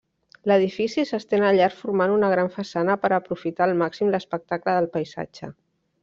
L'edifici s'estén al llarg formant una gran façana per aprofitar al màxim l'espectacle del paisatge.